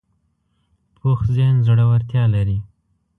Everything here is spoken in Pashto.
پوخ ذهن زړورتیا لري